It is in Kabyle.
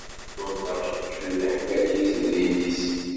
Illu-nneɣ yuklal leḥmadi di temdint-is.